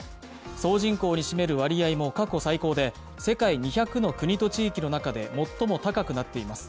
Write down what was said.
総人口に占める割合も過去最高で、世界２００の国と地域の中で最も高くなっています。